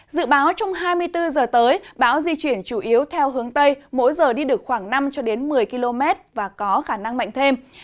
dự báo trong hai mươi bốn h tới bão di chuyển chủ yếu theo hướng tây mỗi giờ đi được khoảng năm một mươi km và có khả năng mạnh thêm